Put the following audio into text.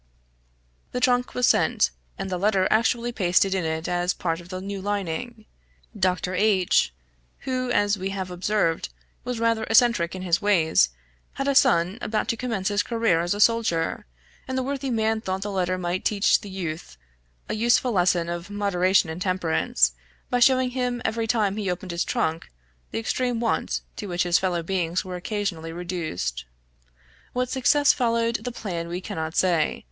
The trunk was sent, and the letter actually pasted in it as part of the new lining. Dr. H , who, as we have observed, was rather eccentric in his ways, had a son about to commence his career as a soldier; and the worthy man thought the letter might teach the youth a useful lesson of moderation and temperance, by showing him every time he opened his trunk, the extreme of want to which his fellow beings were occasionally reduced. What success followed the plan we cannot say.